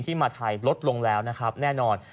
ที่มาไทยลดลงแล้วแน่นอน